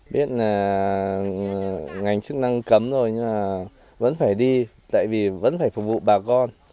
biết là ngành chức năng cấm rồi nhưng vẫn phải đi tại vì vẫn phải phục vụ bà con